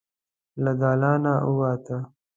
له دالانه ووته.